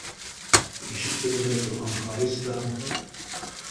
Ишек төбөндә торған Харис та: